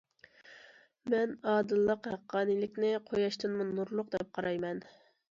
مەن ئادىللىق، ھەققانىيلىقنى قۇياشتىنمۇ نۇرلۇق، دەپ قارايمەن.